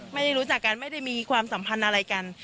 ไม่ได้รู้จักกันไม่ได้มีความสัมพันธ์อะไรกัน